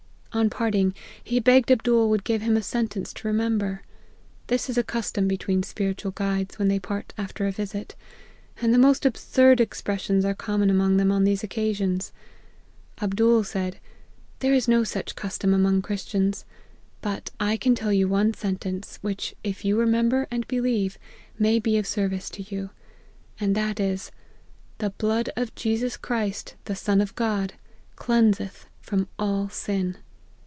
On parting, he begged Abdool would give him a sentence to remember. This is a cus tom between spiritual guides, when they part after a visit ; and the most absurd expressions are com mon among them on these occasions. Abdool said, ' There is no such custom among Christians ; but I can tell you one sentence, which, if you remem ber and believe, may be of service to you ; and that is, The blood of Jesus Christ, the Son of God, cleanseth from all sin